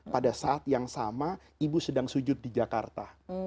pada saat yang sama ibu sedang sujud di jakarta